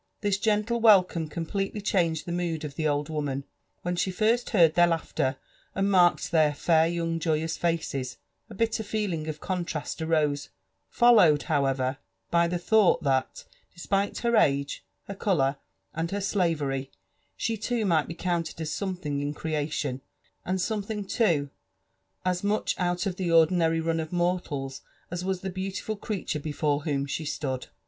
This gentle welcome completely changed the mood of the old woman. When she first heard their laughter, and marked their fair young joyous faces, a bitter feeling of contrast arose, followed however by the thought that, despite her age, her colour, and her slavery, she too might'be counted as something in creation, and something too as much out of the ordinary run of mor tals as was the beautiful creature before whom she stood.